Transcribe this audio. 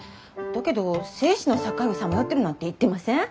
だけど生死の境をさまよってるなんて言ってません。